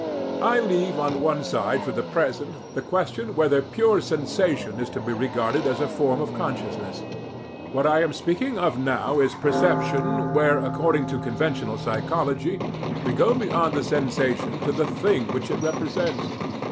I leave on one side for the present the question whether pure sensation is to be regarded as a form of consciousness: what I am speaking of now is perception, where, according to conventional psychology, we go beyond the sensation to the "thing" which it represents.